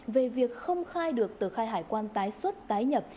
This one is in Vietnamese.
về việc không khai được tờ khai hải quan tái xuất tái nhập